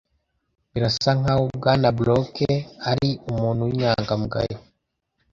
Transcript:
Birasa nkaho Bwana Brooke ari umuntu winyangamugayo